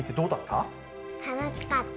たのしかった。